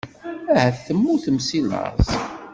Ahat temmutem seg laẓ.